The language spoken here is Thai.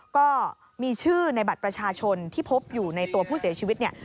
ก็มีชื่อในบัตรประชาชนที่พบอยู่ในตัวผู้เสียชีวิตเนี่ย